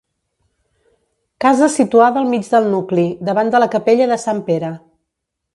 Casa situada al mig del nucli, davant de la capella de Sant Pere.